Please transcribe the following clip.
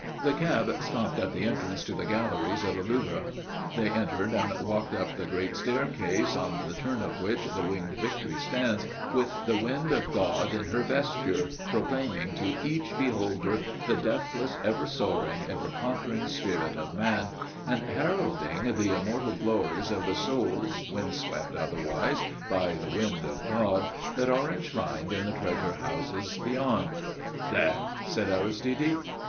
The cab stopped at the entrance to the galleries of the Louvre. They entered and walked up the great staircase on the turn of which the Winged Victory stands, with the wind of God in her vesture, proclaiming to each beholder the deathless, ever soaring, ever conquering spirit of man, and heralding the immortal glories of the souls, wind swept likewise by the wind of God, that are enshrined in the treasure houses beyond. "There!" said Aristide.